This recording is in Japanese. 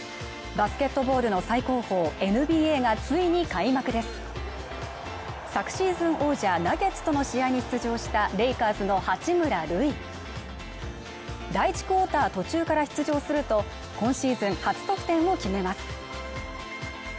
バスケットボールの最高峰ＮＢＡがついに開幕です昨シーズン王者・ナゲッツとの試合に出場したレイカーズの八村塁第１クオーター途中から出場すると今シーズン初得点を決めます